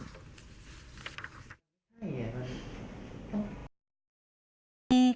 ไม่มีอะไรนะ